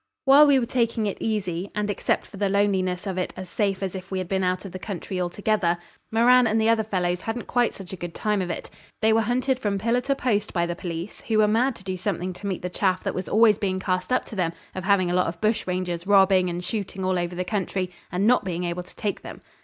..... While we were taking it easy, and except for the loneliness of it as safe as if we had been out of the country altogether, Moran and the other fellows hadn't quite such a good time of it. They were hunted from pillar to post by the police, who were mad to do something to meet the chaff that was always being cast up to them of having a lot of bush rangers robbing and shooting all over the country and not being able to take them.